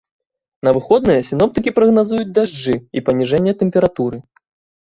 На выходныя сіноптыкі прагназуюць дажджы і паніжэнне тэмпературы.